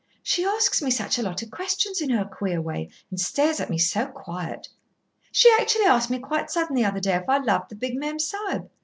She asks me such a lot of questions in her queer way, and stares at me so quiet. She actually asked me quite sudden the other day if I loved the big Mem Sahib.